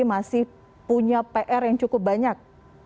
masih punya pr yang cukup banyak